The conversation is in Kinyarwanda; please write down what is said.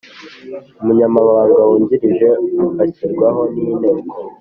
Umunyamabanga Wungirije bashyirwaho n Inteko